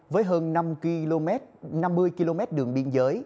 với hơn năm mươi km đường biên giới